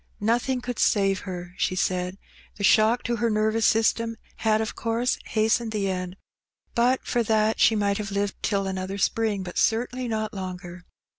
Nothing could save her, she said. The shock to her nervous system had of course hastened the end; but for that she might have lived till another spring, but certainly not longer.